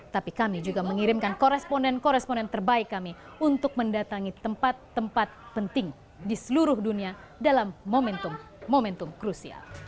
tapi kami juga mengirimkan koresponden koresponen terbaik kami untuk mendatangi tempat tempat penting di seluruh dunia dalam momentum momentum krusial